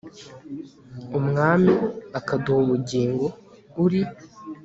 umwami; ukaduha ubugingo, uri